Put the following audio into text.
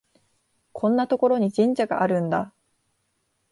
こんなところに神社があるんだ